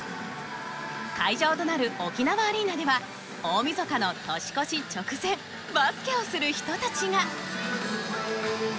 会場となる沖縄アリーナでは大みそかの年越し直前バスケをする人たちが。